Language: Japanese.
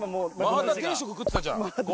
マハタ定食食ってたじゃん。